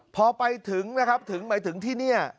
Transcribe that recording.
พอไปถึงนะครับถึงหมายถึงที่นี่